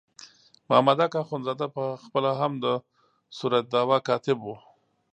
مامدک اخندزاده په خپله هم د صورت دعوا کاتب وو.